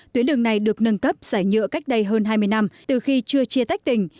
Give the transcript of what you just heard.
tuyến đường này được nâng cấp giải nhựa cách đây hơn hai mươi năm từ khi chưa chia tách tình